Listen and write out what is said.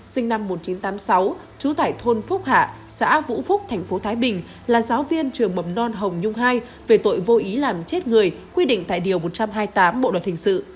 sinh năm một nghìn chín trăm tám mươi sáu trú tại thôn phúc hạ xã vũ phúc tp thái bình là giáo viên trường mầm non hồng nhung hai về tội vô ý làm chết người quy định tại điều một trăm hai mươi tám bộ luật hình sự